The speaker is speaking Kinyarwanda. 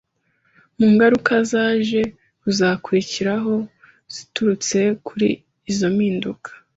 Mu ngaruka zaje kuzakurikiraho ziturutse kuri izo mpinduka,